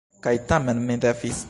Kaj tamen mi devis.